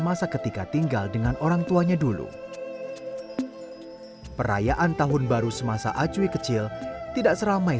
mereka juga menaruh berbagai persembahan di meja sembahyang